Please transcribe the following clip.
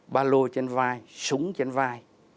ba lô trên vai súng trên vai